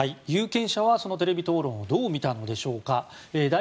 有権者はそのテレビ討論会をどう見たんでしょうか。